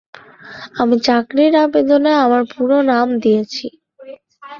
আমি চাকরির আবেদনে আমার পুরো নাম দিয়েছি।